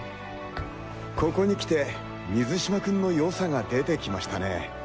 ここに来て水嶋君の良さが出てきましたね。